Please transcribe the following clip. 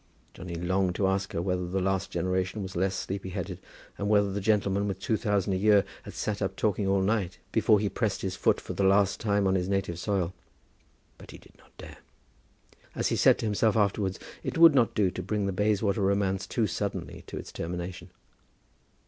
Johnny longed to ask her whether the last generation was less sleepy headed, and whether the gentleman with two thousand a year had sat up talking all night before he pressed his foot for the last time on his native soil; but he did not dare. As he said to himself afterwards, "It would not do to bring the Bayswater romance too suddenly to its termination!"